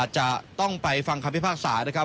จะต้องไปฟังคำพิพากษานะครับ